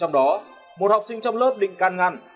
trong đó một học sinh trong lớp bị can ngăn